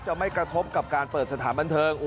ไม่กระทบกับการเปิดสถานบันเทิง